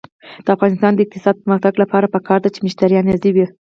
د افغانستان د اقتصادي پرمختګ لپاره پکار ده چې مشتریان راضي وي.